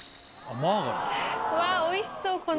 うわっおいしそうこの。